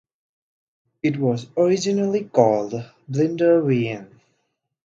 It was originally called Blindernveien.